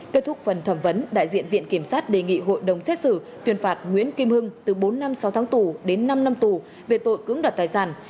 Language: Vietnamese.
kết thúc phần thẩm vấn đại diện viện kiểm sát đề nghị hội đồng xét xử tuyên phạt nguyễn kim hưng từ bốn năm sáu tháng tù đến năm năm tù về tội cưỡng đoạt tài sản